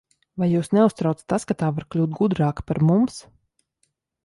Vai jūs neuztrauc tas, ka tā var kļūt gudrāka par mums?